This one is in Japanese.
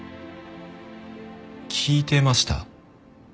聞いてました？